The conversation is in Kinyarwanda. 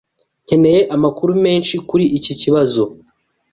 Nkeneye amakuru menshi kuri iki kibazo.